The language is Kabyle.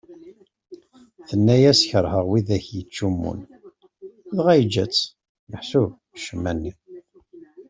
Tenna-yas kerheɣ widak ittcummun, dɣa yeǧǧa-tt ; meḥsub ccemma-nni.